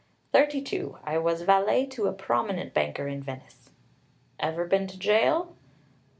"Thirty two. I was valet to a prominent banker in Venice." "Ever been in jail?"